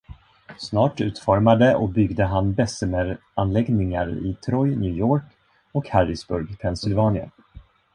Snart utformade och byggde han Bessemer-anläggningar i Troy, New York och Harrisburg, Pennsylvania.